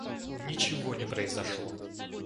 Ничего не произошло!